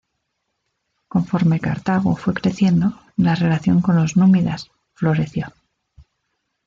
Conforme Cartago fue creciendo, la relación con los númidas floreció.